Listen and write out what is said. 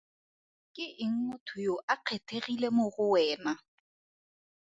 Ke eng motho yo a kgethegile mo go wena?